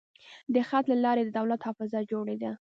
د خط له لارې د دولت حافظه جوړېده.